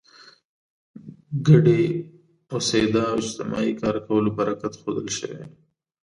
ګډې اوسېدا او اجتماعي کار کولو برکت ښودل شوی.